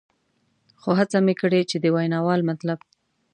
خو هڅه مې کړې چې د ویناوال مطلب.